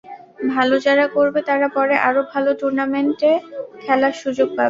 ভালো যারা করবে, তারা পরে আরও ভালো টুর্নামেন্টে খেলার সুযোগ পাবে।